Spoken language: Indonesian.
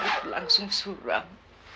itu langsung suram